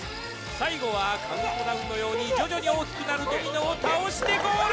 最後はカウントダウンのように徐々に大きくなるドミノを倒してゴール！